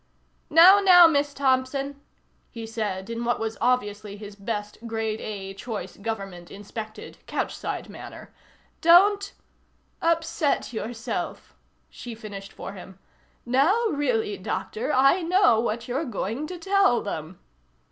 "Now, now, Miss Thompson," he said in what was obviously his best Grade A Choice Government Inspected couchside manner. "Don't "" upset yourself," she finished for him. "Now, really, Doctor. I know what you're going to tell them."